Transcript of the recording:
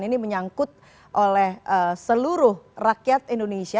ini menyangkut oleh seluruh rakyat indonesia